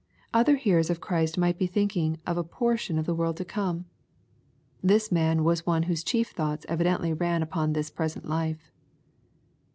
Other hearers of Christ might be thinking of a portion in the world to come. This man was one whose chief thoughts evidently ran upon this present life.